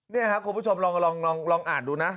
นี่ครับคุณผู้ชมลองอ่านดูนะ